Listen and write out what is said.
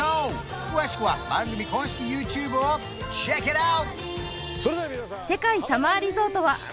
詳しくは番組公式ＹｏｕＴｕｂｅをｃｈｅｃｋｉｔｏｕｔ！